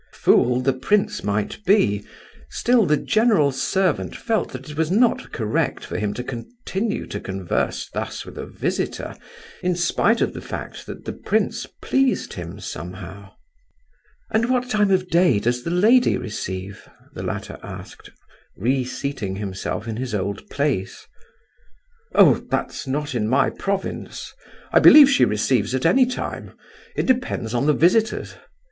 Fool the prince might be, still, the general's servant felt that it was not correct for him to continue to converse thus with a visitor, in spite of the fact that the prince pleased him somehow. "And what time of day does the lady receive?" the latter asked, reseating himself in his old place. "Oh, that's not in my province! I believe she receives at any time; it depends upon the visitors.